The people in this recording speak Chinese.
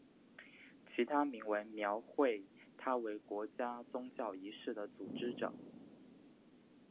其他铭文描绘他为国家宗教仪式的组织者。